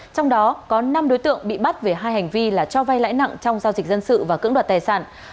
trong đó có năm đối tượng bị bắt về hai hành vi là cho vay lãi nặng trong giao dịch dân sự và cưỡng đoạt tài sản